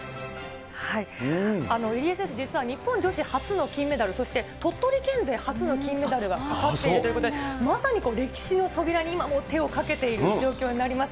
入江選手、実は日本女子初の金メダル、そして鳥取県勢初の金メダルがかかっているということで、まさに歴史の扉に今、手をかけている状況になります。